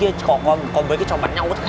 còn với cái trò bắn nhau rất hay không